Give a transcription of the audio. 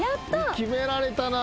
決められたなぁ。